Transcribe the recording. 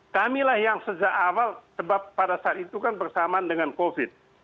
kamilah yang sejak awal sebab pada saat itu kan bersamaan dengan covid